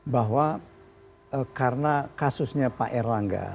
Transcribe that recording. bahwa karena kasusnya pak erlangga